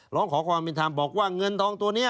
ร้องขอความเป็นธรรมบอกว่าเงินทองตัวนี้